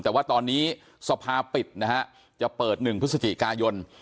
แต่ว่าตอนนี้สภาปิดนะฮะจะเปิด๑พฤศจิกายน